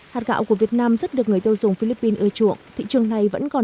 hạt gạo của việt nam rất được người tiêu dùng philippines ưa chuộng thị trường này vẫn còn